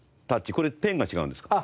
これペンが違うんですか？